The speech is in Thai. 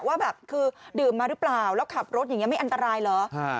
ว่าแบบคือดื่มมาหรือเปล่าแล้วขับรถอย่างนี้ไม่อันตรายเหรอ